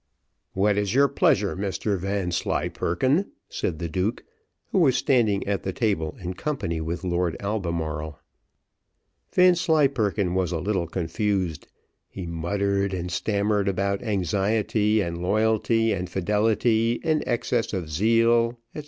"What is your pleasure, Mr Vanslyperken?" said the duke, who was standing at the table, in company with Lord Albemarle. Vanslyperken was a little confused he muttered, and stammered about anxiety, and loyalty, and fidelity, and excess of zeal, &c.